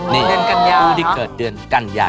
ในผู้ที่เกิดเดือนกันยาว